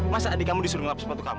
masa adik kamu disuruh ngelapa sepatu kamu